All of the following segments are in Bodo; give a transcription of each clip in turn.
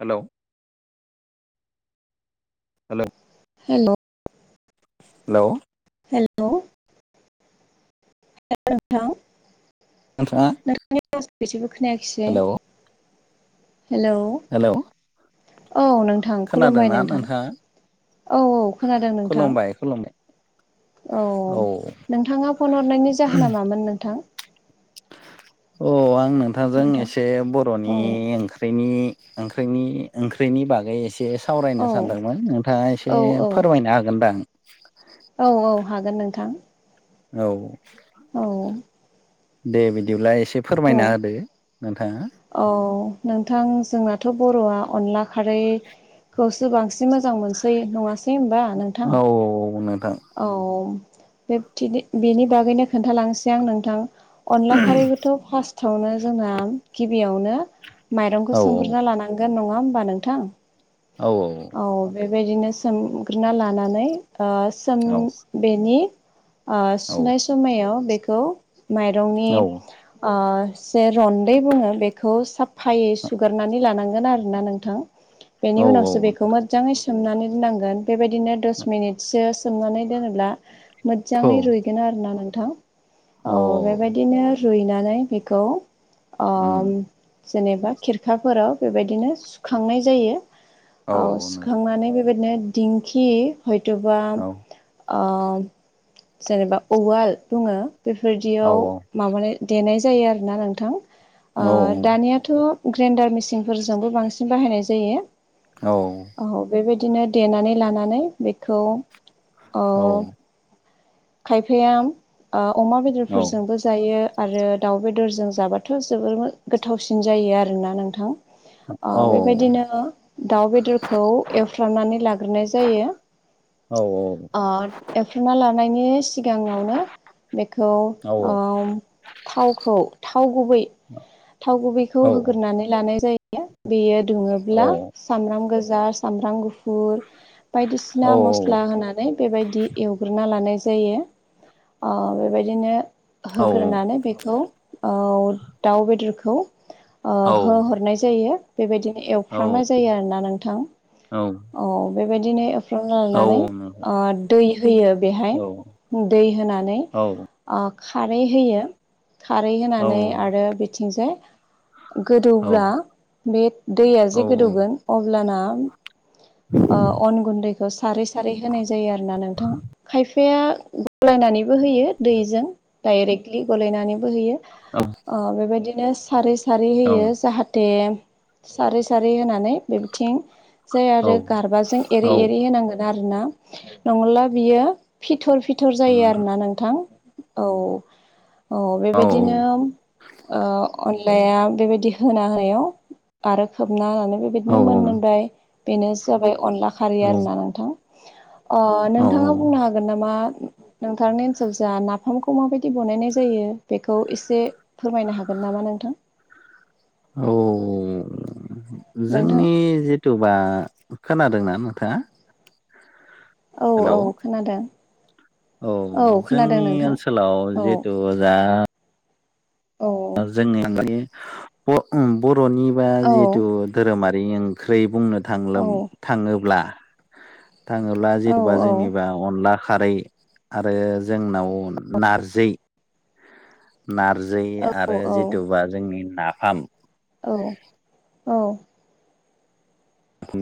Hello hello hello hello hello hello नोंथां नोंथाङा [unintelligible] [unintelligible] सोरबो खोनायाखिसै हेलौ हेलौ हेलौ औ नोंथां खुलुमबाय खोनादोंना नोंथां नोंथाङा औ औ खोनादों नोंथां खुलुमबाय खुलुमबाय औ नोंथाङा फन हरनायनि जाहोना मामोन नोंथां अ आं नोंथांजों नोंथां एसे औ बर'नि ओंख्रिनि ओंख्रिनि बागै एसे एसे औ सावरायनो सानदोंमोन नोंथाङा औ एसे औ फोरमायनो हागोन दा औ औ हागोन नोंथां औ औ दे बिदिब्ला एसे बुं फोरमायना होदो नोंथाङा औ नोंथां जोंनाथ' बर'आ अनला खारै खौसो बांसिन मोजां मोनसै नङासै होनबा नोंथां औ नोंथां औ बे थिगै बेनि बागैनो खोन्थालांसै आं नोंथां अनला खारैखौथ' फार्स्टावनो जोंना गिबियावनो माइरंखौ औ सोमग्रोना लाना गोन नङा होमबा नोंथां औ औ औ बेबायदिनो सोमग्रोना लानानै ओ सोम बेनि ओ सुनाय समायाव बेखौ माइरंनि जे रन्दै बुङो बेखौ साफायै सुगारनानै लानांगोन आरोना नोंथां बेनि औ उनावसो बेखौ मोजांङै सोमनानै दोन नांगोन बेबायदिनो दस मिनिटसो सोमनानै दोनोब्ला औ मोजाङै रुइगोन आरोना औ नोंथां औ औ बेबायदिनो रुइनानै बेखौ उम ओम जेनेबा खिरखाफोराव बेबायदिनो सुखांनाय जायो औ सुखांनानै बेबायदिनो दिंखि हयथ'बा औ जेनेब उवाल बुंङो औ बेफोरदियाव माबानाय देनाय जायो आरोना नोंथां औ दानियाथ' ग्रेन्डार मेसिनफोरजोंबो बांसिन बाहायनाय जायो औ औ बेबायदिनो देनानै लानानै बेखौ औ औ खायफाया ओ अमा बेदरफोरजोंबो जायो आरो दाउ बेदरजों जाबाथ' जोबोर मो गोथावसिन जायो आरोना नोंथां ओ बेबायदिनो दाउ बेदरखौ एवफ्रामनानै लाग्रोनाय जायो औ-औ-औ ओ एवफ्रामना लानायनि सिगाङावनो बेखौ ओम थावखौ थाव गुबै थाव गुबैखौ होग्रोनानै लानाय जायो बेयो दुङोब्ला सामब्राम गोजा सामब्राम गुफु फुर बायदिसिना मस्ला होनानै बेबायदि एवग्रो ना लानाय जायो ओ बेबायदिनो होग्रोनानै बेखौ दाउ बेदरखौ होहरनाय जायो बेबायदिनो एवफ्रामनाय जायो आरोना नोंथां औ बेबायदिनो फ्रामना लानानै ओ दै होयो बेहाय दै होनानै ओ खारै होयो खारै होनानै आरो बिथिंजाय गोदौब्ला बे दैया जे गोदौगोन अब्लाना ओ अन गुन्दैखौ सारै सारै होनाय जायो आरोना नोंथां खायफाया ग'लायनानैबो होयो दैजों डाइरेक्टलि ग'लायनानैबो होयो ओ बेबायदिनो सारै सारै होयो जाहाथे सारै सारै होनानै बे बिथिं जाय आरो गारबाजों एरै एरै होनांगोन आरोना नङाला बियो फिथर फिथर जायो आरोना नोंथां, औ औ औ बेबायदिनो ओ अनलाया बेबायदि होना होनायाव आरो खोबना होनानै बे बिदिनो मोनबाय बेनो जाबाय अनला खारै आरोना नो हागोन नामा नोंथांनि ओनसोलजा नाफामखौ माबायदि बनायनाय जायो बेखौ एसे फोरमायनो हागोन नामा नोंथां? औ नोंथां जोंनि जि जितुबा खोनादोंना नोंथाङा? हेलौ औ-औ खोनादों। औ खोनादों जोंनि नोंथां ओनसोलाव औ जिहेथु दा औ जोङो ब' बर'निबा औ जिहेथु धोरोमारि ओंख्रै बुंनो औ थांलो थाङोब्ला थाङोब्ला औ जेतुबा जोंनिबा अनला खारै आरो जोंनाव नारजै नारजै औ आरो जिथुबा जोंनि नाफाम औ-औ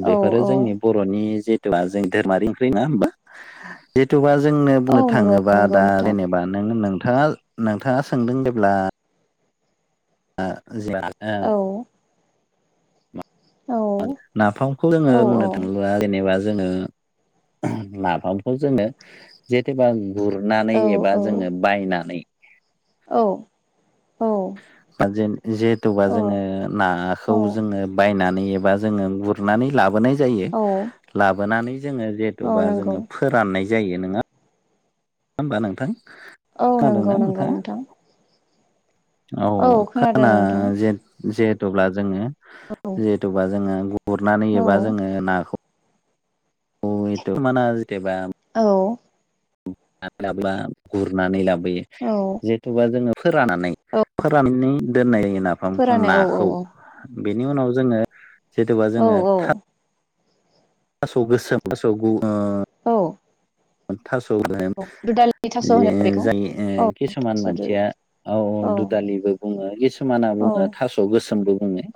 बेफोरो औ जोंनि बर'नि जिथुबा जों धोरोमारि ओंख्रि नङा होमबा? जितुबा जोंनो औ बुंनो नंगौ थाङोबा नंगौ दा नोंथां जेने बा नों नोंथाङा नोंथाङा सोंदों जेब्ला औ [unintelligible] औ नाफामखौ औ जोङो बुंनो थाङोब्ला जेनेबा जोङो नाफामखौ जोङो जेतेबा गुरनानै औ एबा जोङो बायनानै औ जिहेथुबा औ जोङो नाखौ जोङो बायनानै एबा जोङो गुर नानै लाबोनाय जायो औ लाबोनानै जोङो औ जेतुबा नंगौ जोङो फोराननाय जायो नोङा होमबा नोंथां औ खोनादोंना नंगौ नंगौ नोंथाङा नोंथां औ खोनादों खाना नोंथां जिहेथु ब्ला जोङो औ जिहेथुबा जोङो गुरनानै औ एबा जोङो नाखौ [unintelligible] औ [unintelligible] गुरनानै लाबोयो औ थेबा जोङो फोराननानै औ फोराननानै दोननाय नाफाम फोरानो औ औ नाखौ बेनि उनाव जोङो जेथुबा औ जोङो औ थास' गोसोम थास गु ओ औ थास' होनो औ दुदालि थास' जे होनो बेखौ औ जाय किसुमान थास' दु मानसिया औ-औ औ दुदालिबो बुङो किसुमाना औ बुङो थास' गोसोमबो बुङो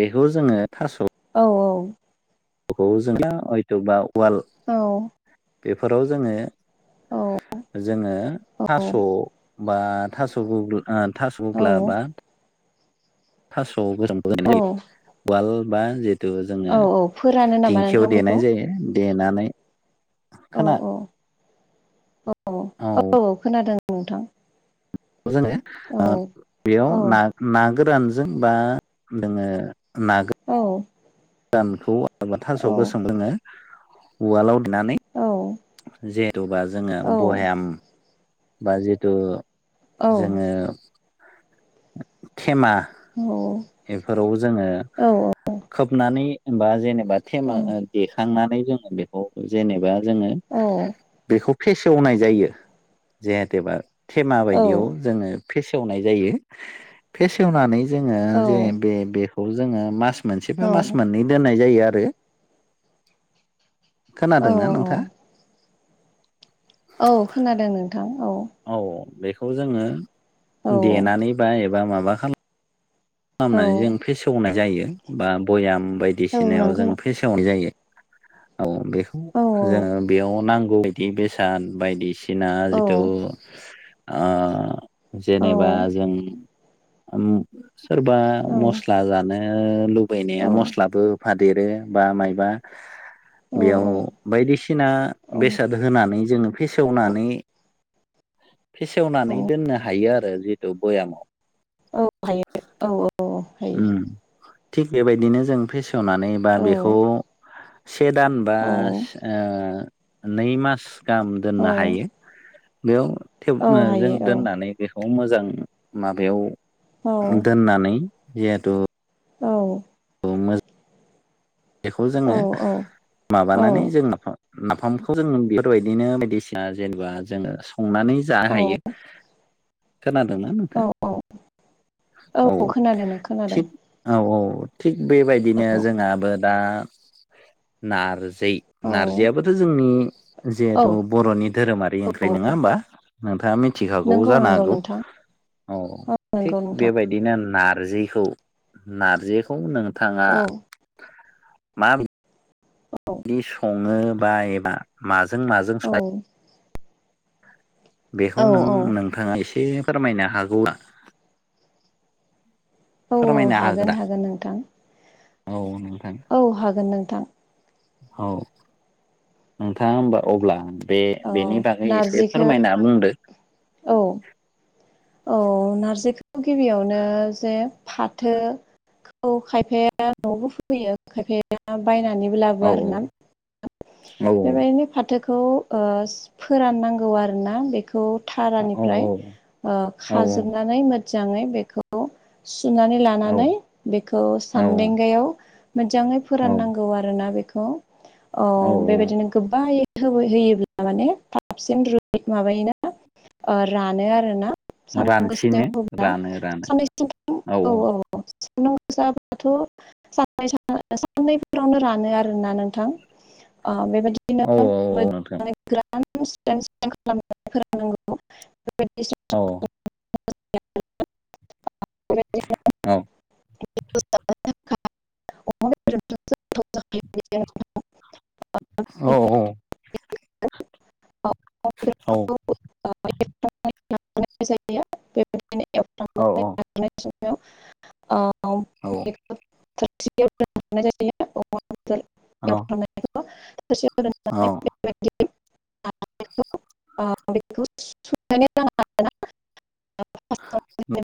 बेखौ जोङो थास' औ-औ [unintelligible] खौ जोंना हयथ'बा उवाल औ बेफोराव जोङो औ जोङो थास' बा थास'बुरगोला थास' औ गुग्ला बा थास' गोसोमखौ होनाय औ जायो उवाल बा जे जेतु जोङो औ औ फोरानो नामा नोंथां दिंखियाव बेखौ देनाय जायो देनानै खोना औ औ-औ-औ खोनादों नोंथां खौ औ जोङो बेयाव औ ना ना गोरानजों बा नोङो ना औ नाखौ थास' औ गोसोम लोङो उवालाव देनानै औ जिहेथुबा जोङो औ बयाम बा जिथु औ जोङो थेमा औ बेफोराव जोङो खोबनानै बा जेने बा थेमा देखांनानै जोङो बेखौ जेनेबा जोङो बेखौ फेसेवनाय जायो जेहेतेबा थेमा बायदियाव जोङो फेसेवनाय जायो फेसेवनानै जोङो जे बे बेखौ जोङो मास मोनसेबा मास मोननै दोननाय जायो आरो खोनादोंना नोंथाङा औ खोनादों नोंथां औ औ बेखौ जोङो औ देनानैबा एबा माबा खाला खालामनानै जों औ फेसेवनाय जायो बा भयाम औ बायदिसिनायाव जों नंगौ फेसे वनाय जायो औ बेखौ औ जोङो बेयाव नांगौ बेसाद बायदिसिना औ जिथु आ औ जेनेबा जों सोरबा मस्ला जानो लुबैनाया मस्लाबो होफादेरो बा मायबा बेयाव बायदिसिना औ बेसाद होनानै जोङो फेसेवनानै फेसेवनानै दोननो हायो आरो जिहेतु बयामाव औ हायो औ औ हायो थिग बेबायदिनो जों फेसेवनानै बा औ बेखौ से दान बा औ नै मास गाहाम औ दोननो हायो औ बेयावे जों हायो दोननानै बेखौ मोजां माबायाव औ दोननानै जिहेतु औ [unintelligible] बेखौ औ जोङो माबानानै जों मा नाफामखौ जों बेफोरबायदिनो बायदिसिना जेनेबा जोङो संनानै जानो हायो खोनादोंना नोंथां औ औ खोनादों खोनादों थिग औ औ थिग औ बेबायदिनो जोंहाबो दा नारजि औ नारजियाबोथ' जोंनि औ जिहेथु बर'नि धोरोमारि औ ओंख्रि नङा होमबा नोंथाङा मिथिखागौ नंगौ जानो नंगौ हागौ नोंथां औ थिग नंगौ नोंथां बेबायदि बिदिनो नारजिखौ नारजिखौ नोंथाङा औ मा दि सङो बा एबा माजों माजों औ जायो औ बेखौ औ नों नोंथाङा एसे फोरमायनो हागौआ औ फोरमायनो हागोन दा हागोन नोंथां औ नोंथां औ हागोन नोंथां औ नोंथाङा होमबा अब्ला बे औ बेनि बागै एसे नारजिखौ फोरमायना बुंदो औ औ नारजिखौ गिबियावनो जे फाथो औ खायफाया न'आवबो फुफैयो खायफाया बायनानैबो लाबो औ औ आरोना औ औ बेबायदिनो फाथो बेखौ ओ फोराननांगौ आरोना बेखौ औ औ थारानिफ्राय ओ औ खाजोबनानै मोजाङै बेखौ सुनानै औ लानानै बेखौ सानदेंगायाव मोजाङै औ फोराननांगौ आरोना बेखौ औ बेबायदिनो गोबायै होयोब्ला माने थाबसिन रु माबायोना रानो आरोना सानाम गोसायाव रानसिनो होब्ला रानो रानो साननैसो औ औ जाबाथ' साननायफोरावनो रानो आरोना नोंथां ओ बेबायदि औ बिदिनो औ नोंथां मोजां खालामनानै फोरोंनांगौ बेदि औ [unintelligible] [unintelligible] [unintelligible] [unintelligible] [unintelligible] औ औ औ [unintelligible] औ औ [unintelligible] औ औ [unintelligible] औ [unintelligible] [unintelligible] फार्स्टआवनो [unintelligible] जेनेबा